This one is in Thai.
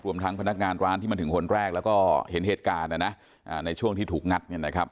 รวมทั้งพนักงานร้านที่มันถึงคนแรกและก็เห็นเหตุการณ์ในช่วงที่ถูกงัด